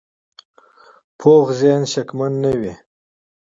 پوخ ذهن شکمن نه وي